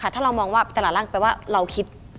ถ้าเรามองว่าตลาดร่างแปลว่าเราคิด